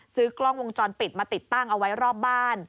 ซื้อกล้องวงจรปิดมาติดตั้งเอาไว้รอบบ้าน